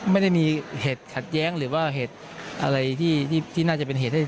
ไม่ได้มีเหตุขัดแย้งหรือว่าเหตุอะไรที่น่าจะเป็นเหตุให้